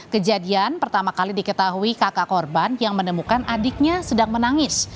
kejadian pertama kali diketahui kakak korban yang menemukan adiknya sedang menangis